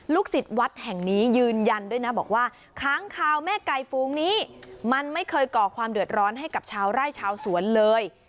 สิทธิ์วัดแห่งนี้ยืนยันด้วยนะบอกว่าค้างคาวแม่ไก่ฟูงนี้มันไม่เคยก่อความเดือดร้อนให้กับชาวไร่ชาวสวนเลย